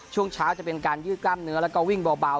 ช่วงเช้าจะเป็นการยืดกล้ามเนื้อแล้วก็วิ่งเบา